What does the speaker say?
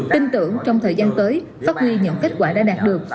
tin tưởng trong thời gian tới phát huy những kết quả đã đạt được